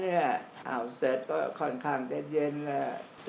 เอาเสร็จก็ค่อนข้างเสียเย็นนะคะ